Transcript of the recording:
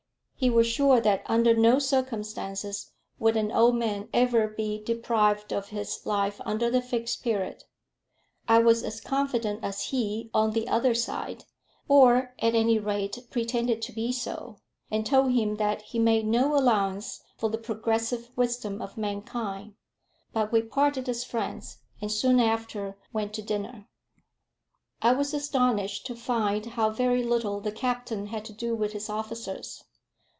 He was sure that under no circumstances would an old man ever be deprived of his life under the Fixed Period. I was as confident as he on the other side, or, at any rate, pretended to be so, and told him that he made no allowance for the progressive wisdom of mankind. But we parted as friends, and soon after went to dinner. I was astonished to find how very little the captain had to do with his officers.